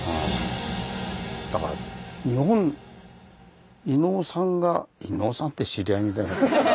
だから日本伊能さんが「伊能さん」って知り合いみたいな。